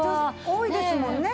多いですもんね